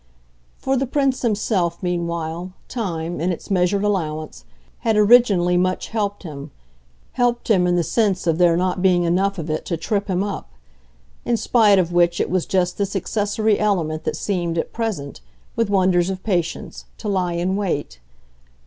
For the Prince himself, meanwhile, time, in its measured allowance, had originally much helped him helped him in the sense of there not being enough of it to trip him up; in spite of which it was just this accessory element that seemed, at present, with wonders of patience, to lie in wait.